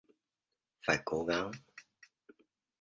phải cố gắng